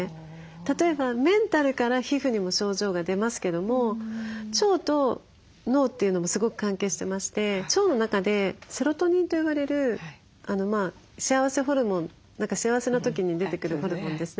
例えばメンタルから皮膚にも症状が出ますけども腸と脳というのもすごく関係してまして腸の中でセロトニンと呼ばれる幸せホルモン幸せな時に出てくるホルモンですね。